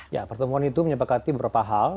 ya pertemuan itu menyepakati beberapa hal